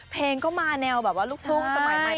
เพลงก็มาแนวลุกทุ่งสมัยใหม่